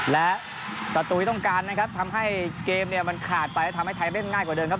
และประตูที่ต้องการนะครับทำให้เกมเนี่ยมันขาดไปแล้วทำให้ไทยเล่นง่ายกว่าเดิมครับ